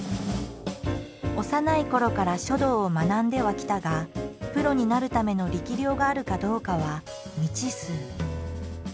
幼いころから書道を学んではきたがプロになるための力量があるかどうかは未知数。